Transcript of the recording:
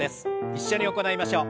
一緒に行いましょう。